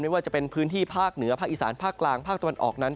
ว่าจะเป็นพื้นที่ภาคเหนือภาคอีสานภาคกลางภาคตะวันออกนั้น